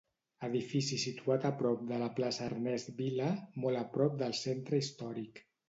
Edifici situat a prop de la Plaça Ernest Vila, molt a prop del centre històric.